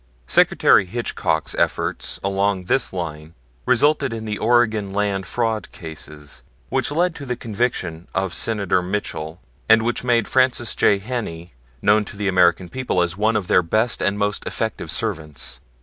Secretary Hitchcock's efforts along this line resulted in the Oregon land fraud cases, which led to the conviction of Senator Mitchell, and which made Francis J. Heney known to the American people as one of their best and most effective servants.